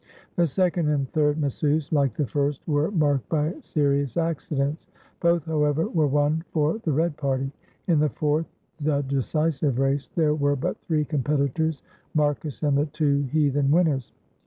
The second and third missus, like the first, were marked by serious accidents; both, however, were won for the Red party. In the fourth, the decisive race, there were but three competitors: Marcus and the two heathen winners.